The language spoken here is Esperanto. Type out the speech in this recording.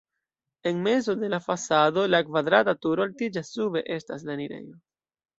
En mezo de la fasado la kvadrata turo altiĝas, sube estas la enirejo.